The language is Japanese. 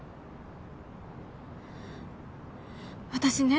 私ね。